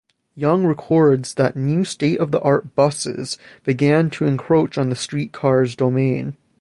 Young records that new state-of-the-art buses began to encroach on the streetcars domain.